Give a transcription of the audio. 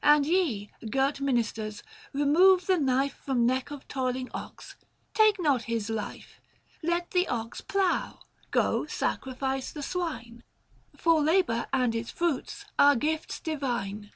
460 And ye, girt ministers, remove the knife From neck of toiling ox, take not his life, Let the ox plough : go, sacrifice the swine ; For labour and its fruits are gifts divine.